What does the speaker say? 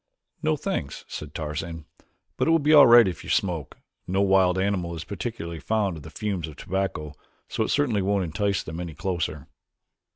"No, thanks," said Tarzan, "but it will be all right if you smoke. No wild animal is particularly fond of the fumes of tobacco so it certainly won't entice them any closer."